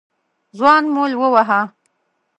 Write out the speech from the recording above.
ځوان مول وواهه.